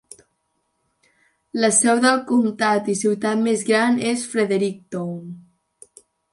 La seu del comtat i ciutat més gran és Fredericktown.